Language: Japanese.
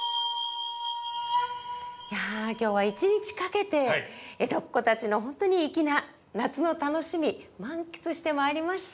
いや今日は一日かけて江戸っ子たちの本当に粋な夏の楽しみ満喫してまいりました。